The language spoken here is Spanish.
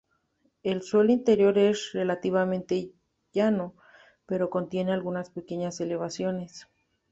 El suelo interior es relativamente llano, pero contiene algunas pequeñas elevaciones.